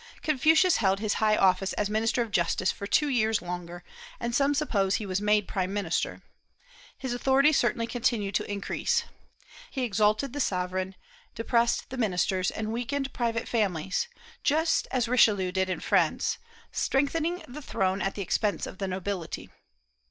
Confucius held his high office as minister of Justice for two years longer, and some suppose he was made prime minister. His authority certainly continued to increase. He exalted the sovereign, depressed the ministers, and weakened private families, just as Richelieu did in France, strengthening the throne at the expense of the nobility.